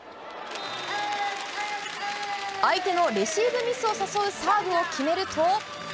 相手のレシーブミスを誘うサーブを決めると。